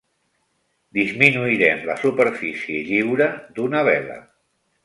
Disminuirem la superfície lliure d'una vela.